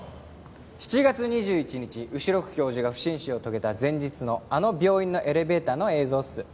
７月２１日後宮教授が不審死を遂げた前日のあの病院のエレベーターの映像っす。